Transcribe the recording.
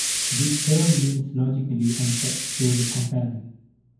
This term means logically and textually compelling.